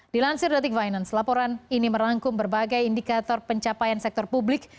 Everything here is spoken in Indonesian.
dilansir detik finance laporan ini merangkum berbagai indikator pencapaian sektor publik